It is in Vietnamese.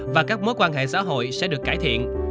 và các mối quan hệ xã hội sẽ được cải thiện